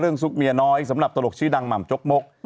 ซุกเมียน้อยสำหรับตลกชื่อดังหม่ำจกมก